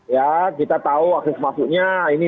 ya kita tahu akses masuknya ini